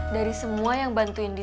dari semua yang bantuin dia